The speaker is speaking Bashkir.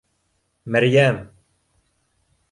Мәрйәм?